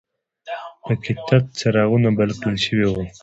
په کې تت څراغونه بل کړل شوي دي.